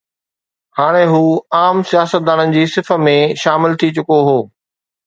هاڻي هو عام سياستدانن جي صف ۾ شامل ٿي چڪو هو.